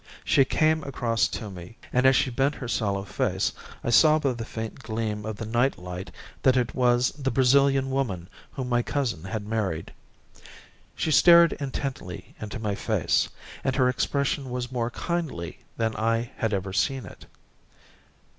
She came across to me, and as she bent her sallow face I saw by the faint gleam of the night light that it was the Brazilian woman whom my cousin had married. She stared intently into my face, and her expression was more kindly than I had ever seen it.